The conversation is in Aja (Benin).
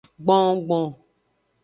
Gbongbon.